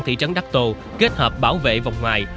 thị trấn đắc tô kết hợp bảo vệ vòng ngoài